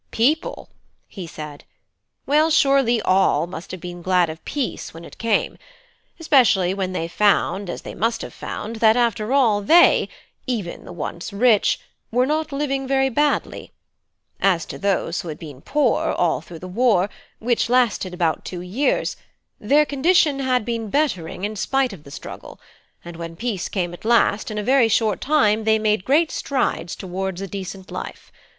"People?" he said. "Well, surely all must have been glad of peace when it came; especially when they found, as they must have found, that after all, they even the once rich were not living very badly. As to those who had been poor, all through the war, which lasted about two years, their condition had been bettering, in spite of the struggle; and when peace came at last, in a very short time they made great strides towards a decent life.